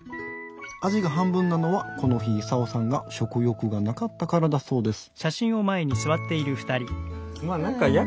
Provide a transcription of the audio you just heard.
アジが半分なのはこの日イサオさんが食欲がなかったからだそうです。